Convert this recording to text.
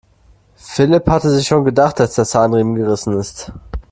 Philipp hatte sich schon gedacht, dass der Zahnriemen gerissen ist.